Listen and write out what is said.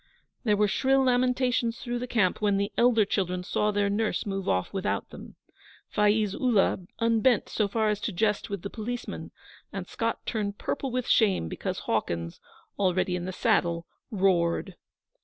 There were shrill lamentations through the camp when the elder children saw their nurse move off without them. Faiz Ullah unbent so far as to jest with the policemen, and Scott turned purple with shame because Hawkins, already in the saddle, roared.